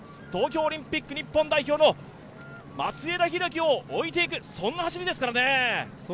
東京オリンピック日本代表の松枝博輝を置いていくそんな走りですからね。